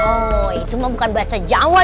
oh itu mah bukan bahasa jawa